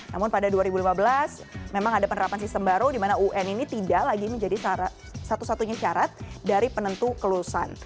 namun pada dua ribu lima belas memang ada penerapan sistem baru di mana un ini tidak lagi menjadi satu satunya syarat dari penentu kelulusan